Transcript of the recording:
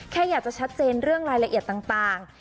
แค่อยากจะชัดเจนเรื่องรายละเอียดต่าง